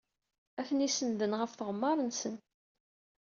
Atni sennden ɣef tɣemmar-nsen.